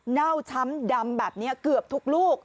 เน่าช้ำดำแบบนี้เกือบทุกลูก